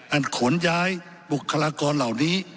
ขนย้ายบุคลากรเหล่านี้